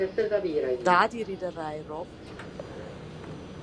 Da die Reederei Rob.